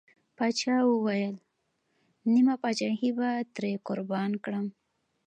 پاچا وويل: نيمه پاچاهي به ترې قربان کړم.